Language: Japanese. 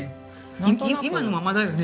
今のままだよね。